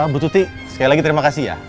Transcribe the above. bu tuti sekali lagi terima kasih ya